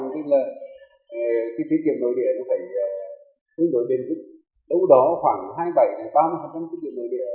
cái tiết kiệm nội địa nó phải hướng đối bên dưới đâu đó khoảng hai bảy ba tiết kiệm nội địa